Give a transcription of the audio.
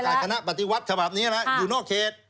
ประกาศคณะปฏิวัติฉบับนี้แหละอยู่นอกเขต